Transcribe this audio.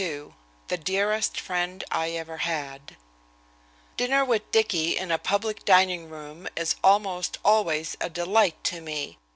XXXII "THE DEAREST FRIEND I EVER HAD" Dinner with Dicky in a public dining room is almost always a delight to me.